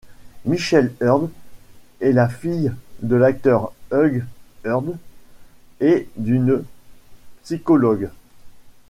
Michelle Hurd est la fille de l'acteur Hugh Hurd et d'une psychologue.